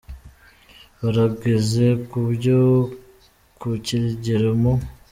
barageze ku byo ku kigero Mu.